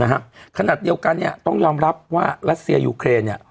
ขนาดเดียวกันเนี่ยต้องยอมรับว่ารัสเซียยูเครนเนี่ย